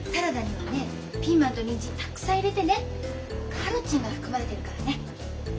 カロチンが含まれてるからね。